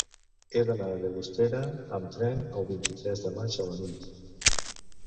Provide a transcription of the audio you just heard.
He d'anar a Llagostera amb tren el vint-i-tres de maig a la nit.